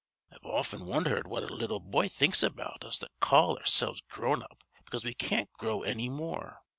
I've often wondhered what a little boy thinks about us that call oursilves grown up because we can't grow anny more.